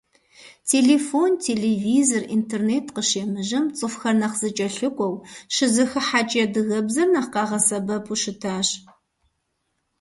Телефон, телевизор, интернет къыщемыжьэм, цӀыхухэр нэхъ зэкӀэлъыкӀуэу, щызэхыхьэкӀи адыгэбзэр нэхъ къагъэсэбэпу щытащ.